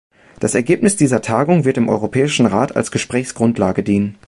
Das Ergebnis dieser Tagung wird im Europäischen Rat als Gesprächsgrundlage dienen.